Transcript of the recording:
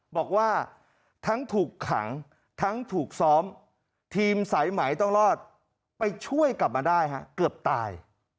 บอกว่าทั้งถูกขังทั้งถูกซ้อมทีมสายไหมต้องรอดไปช่วยกลับมาได้ฮะเกือบตาย